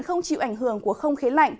không chịu ảnh hưởng của không khí lạnh